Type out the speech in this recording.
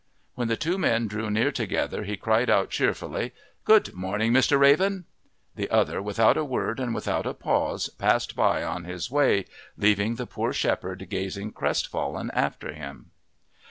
When the two men drew near together he cried out cheerfully, "Good morning, Mr. Raven." The other without a word and without a pause passed by on his way, leaving the poor shepherd gazing crestfallen after him.